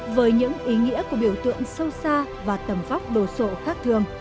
với những ý nghĩa của biểu tượng sâu xa và tầm vóc đồ sộ khác thường